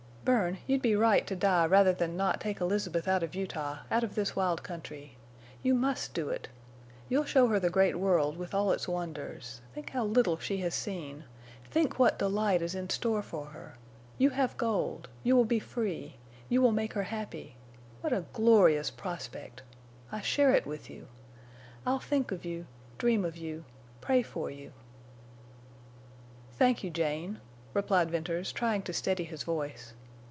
"Bern, you'd be right to die rather than not take Elizabeth out of Utah—out of this wild country. You must do it. You'll show her the great world, with all its wonders. Think how little she has seen! Think what delight is in store for her! You have gold, You will be free; you will make her happy. What a glorious prospect! I share it with you. I'll think of you—dream of you—pray for you." "Thank you, Jane," replied Venters, trying to steady his voice.